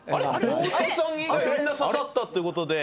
太田さん以外みんな刺さったという事で。